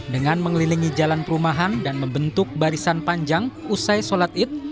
dengan mengelilingi jalan perumahan dan membentuk barisan panjang usai sholat id